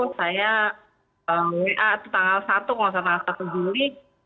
akhirnya wa itu tanggal satu kalau gak usah tanggal satu juli